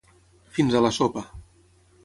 Fins a la sopa.